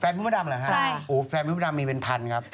แฟนพี่ประดำหรือค่ะแฟนพี่ประดำมีเป็น๑๐๐๐ครับ